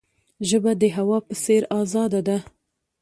ژبه د هوا په څیر آزاده ده.